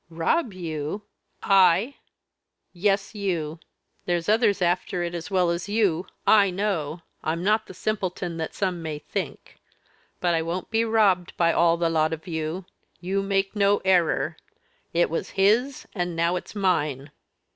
"Rob you? I." "Yes, you. There's others after it as well as you I know! I'm not the simpleton that some may think. But I won't be robbed by all the lot of you you make no error. It was his, and now it's mine."